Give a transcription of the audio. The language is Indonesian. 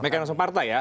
mekanisme partai ya